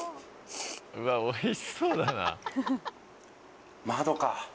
うわおいしそうだな。